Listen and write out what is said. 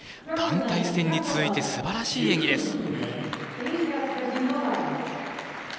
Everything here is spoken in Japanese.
団体戦に続いてすばらしい演技です。